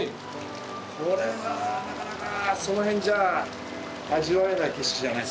これはなかなかその辺じゃ味わえない景色じゃないですか？